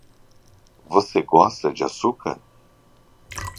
Você gosta de açúcar?